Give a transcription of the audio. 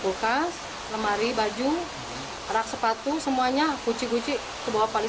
bukas lemari baju rak sepatu semuanya kunci kunci ke bawah paling